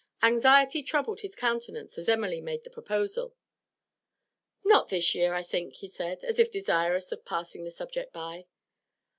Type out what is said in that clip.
Anxiety troubled his countenance as Emily made the proposal. 'Not this year, I think,' he said, as if desirous of passing the subject by.